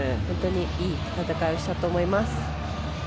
いい戦いをしたと思います。